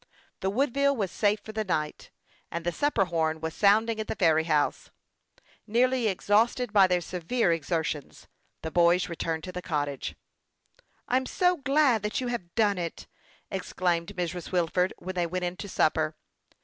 The Woodville was safe for the night, and the supper horn was sounding at the ferry house. Nearly exhausted by their severe exertions, the boys returned to the cottage. " I'm so glad that you have done it !" exclaimed Mrs. Wilford, when they went in to supper.